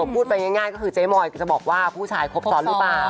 พูดไปง่ายก็คือเจ๊มอยจะบอกว่าผู้ชายครบซ้อนหรือเปล่า